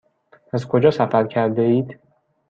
از کجا سفر کرده اید؟